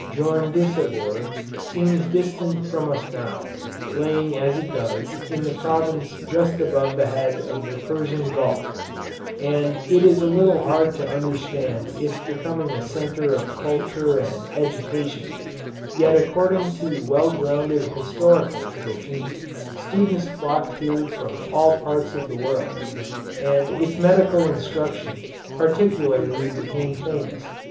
Djondisabour seems distant from us now, lying as it does in the province just above the head of the Persian Gulf, and it is a little hard to understand its becoming a centre of culture and education, yet according to well grounded historical traditions students flocked here from all parts of the world, and its medical instruction particularly became famous.